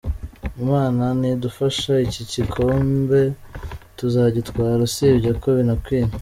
Imana nidufasha iki gikombe tuzagitwara usibye ko binakwiye.